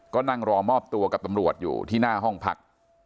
ก็นั่งรอมอบตัวกับตำรวจอยู่ที่หน้าห้องพัก